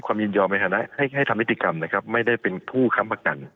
ยินยอมในฐานะให้ทำนิติกรรมนะครับไม่ได้เป็นผู้ค้ำประกัน